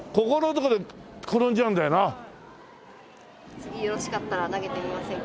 次よろしかったら投げてみませんか？